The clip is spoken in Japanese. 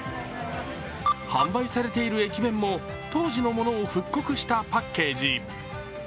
販売されている駅弁も当時のものを復刻したパッケージ。